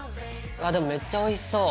あでもめっちゃおいしそう。